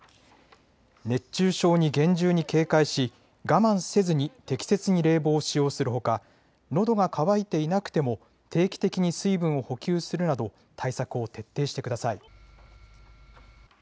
熱中症に厳重に警戒し我慢せずに適切に冷房を使用するほかのどが渇いていなくても定期的に水分を補給するなど対策を徹底してください。